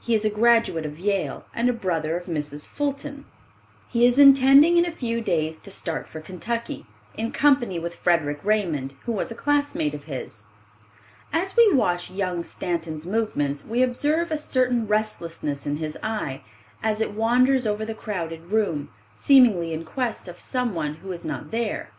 He is a graduate of Yale and a brother of Mrs. Fulton, He is intending in a few days to start for Kentucky, in company with Frederic Raymond, who was a classmate of his. As we watch young Stanton's movements, we observe a certain restlessness in his eye, as it wanders over the crowded room, seemingly in quest of some one who is not there.